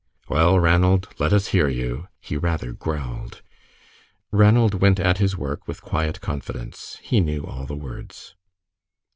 "Well, Ranald, let us hear you," he rather growled. Ranald went at his work with quiet confidence; he knew all the words.